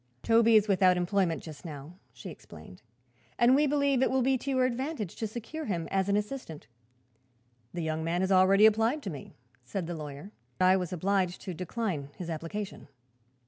"Toby is without employment, just now," she explained, "and we believe it will be to your advantage to secure him as an assistant." "The young man has already applied to me," said the lawyer. "I was obliged to decline his application."